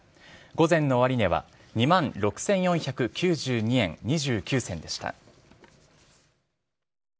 ごぜんのおわり値は２万６４９２円２９銭でした。